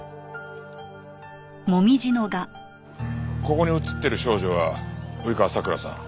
ここに写ってる少女は及川さくらさん